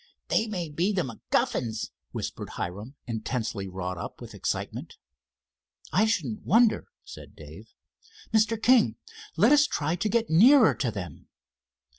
"They may be the MacGuffins," whispered Hiram, intensely wrought up with excitement. "I shouldn't wonder," said Dave. "Mr. King, let us try to get nearer to them."